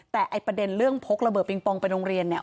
แต่ไอ้ประเด็นเรื่องพกระเบิงปองไปโรงเรียนเนี่ย